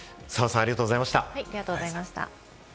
澤さん、ありがとうございました。